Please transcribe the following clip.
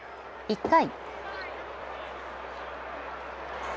１回。